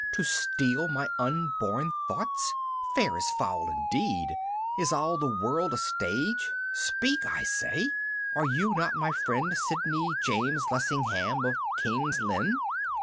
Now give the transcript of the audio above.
to steal my unborn thoughts? Fair is foul indeed. Is all the world a stage? Speak, I say! Are you not my friend Sidney James Lessingham of King's Lynn